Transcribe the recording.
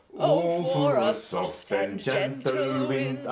"O for a soft and gentle wind!"